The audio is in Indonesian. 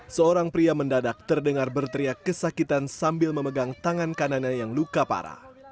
seorang pria mendadak terdengar berteriak kesakitan sambil memegang tangan kanannya yang luka parah